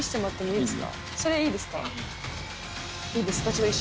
いいです。